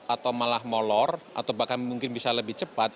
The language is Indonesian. atau malah molor atau bahkan mungkin bisa lebih cepat